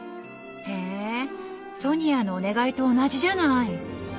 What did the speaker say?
へえソニアのお願いと同じじゃない。